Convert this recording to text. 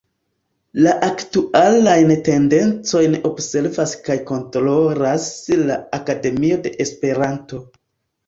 La aktualajn tendencojn observas kaj kontrolas la Akademio de Esperanto.